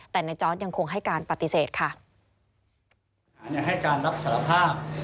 แต่ในจอร์สยังคงให้การปฏิเสธค่ะ